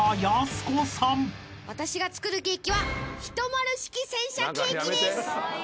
私が作るケーキは１０式戦車ケーキです。